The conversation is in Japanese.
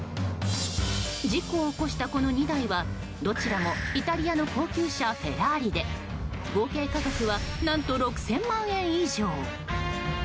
事故を起こしたこの２台はどちらもイタリアの高級車フェラーリで合計価格は何と６０００万円以上。